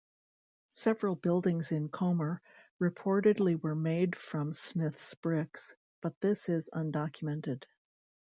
Several buildings in Comer reportedly were made from Smith's bricks, but this is undocumented.